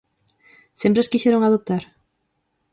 ¿Sempre as quixeron adoptar?